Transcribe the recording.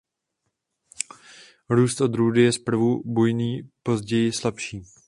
Růst odrůdy je zprvu bujný později slabší.